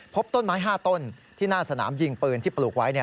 พบต้นไม้๕ต้นที่หน้าสนามยิงปืนที่ปลูกไว้